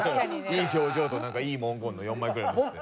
いい表情となんかいい文言の４枚ぐらい載せて。